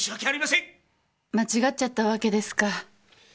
間違っちゃったわけですか。